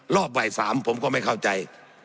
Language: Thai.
รอบบ่าย๓ผมก็ไม่เข้าใจ